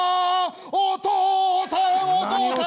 お父さんお父さん」